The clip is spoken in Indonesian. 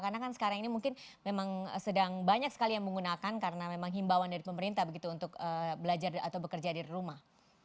karena kan sekarang ini mungkin memang sedang banyak sekali yang menggunakan karena memang himbauan dari pemerintah begitu untuk belajar atau bekerja dari rumah